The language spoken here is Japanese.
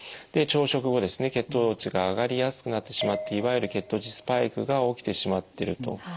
で朝食後ですね血糖値が上がりやすくなってしまっていわゆる血糖値スパイクが起きてしまってると。